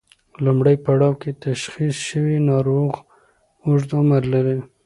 لومړی پړاو کې تشخیص شوی ناروغ اوږد عمر لري.